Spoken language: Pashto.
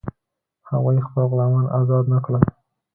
هغوی خپل غلامان آزاد نه کړل.